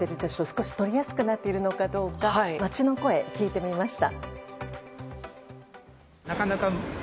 少し取りやすくなっているのかどうか、街の声を聞きました。